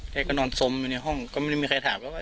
แกก็นอนสมอยู่ในห้องก็ไม่ได้มีใครถามว่า